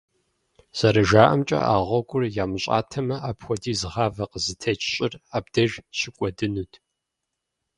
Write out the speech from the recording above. Зэрыжаӏэмкӏэ, а гъуэгур ямыщӏатэмэ, апхуэдиз гъавэ къызытекӏ щӏыр абдеж щыкӏуэдынут.